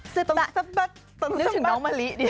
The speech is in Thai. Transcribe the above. นึกถึงน้องมะลิดี